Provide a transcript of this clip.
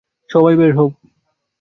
সবাই বের হও।